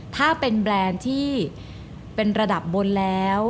ถ้าเป็นแบรนด์ที่เป็นระดับบนแล้ว